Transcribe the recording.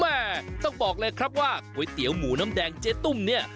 ต้องบอกเลยครับว่าก๋วยเตี๋ยวหมูน้ำแดงเจ๊ตุ้มเนี่ย